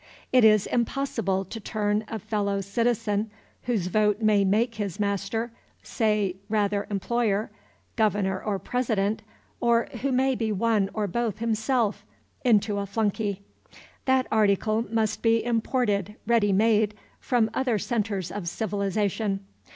It is impossible to turn a fellow citizen whose vote may make his master say, rather, employer Governor or President, or who may be one or both himself, into a flunky. That article must be imported ready made from other centres of civilization.